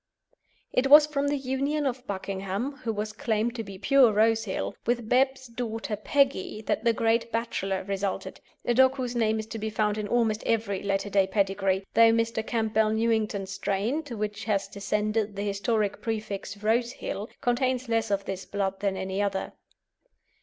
It was from the union of Buckingham, who was claimed to be pure Rosehill with Bebb's daughter Peggie that the great Bachelor resulted a dog whose name is to be found in almost every latter day pedigree, though Mr. Campbell Newington's strain, to which has descended the historic prefix "Rosehill," contains less of this blood than any other.